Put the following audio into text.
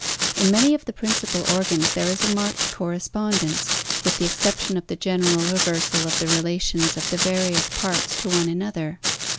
In many of the principal organs there is a marked correspondence, with the excep tion of the general reversal of the relations of the various parts to one another.